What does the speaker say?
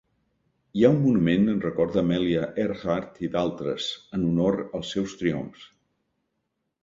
Hi ha un monument en record d'Amelia Earhart i d'altres, en honor als seus triomfs.